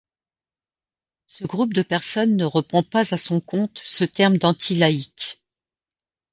Ce groupe de personnes ne reprend pas à son compte ce terme d'anti-laïc.